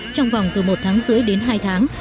trong vòng từ một tháng rưỡi đến hai tháng